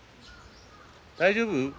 大丈夫？